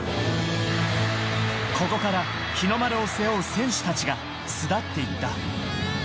ここから日の丸を背負う選手たちが巣立っていった。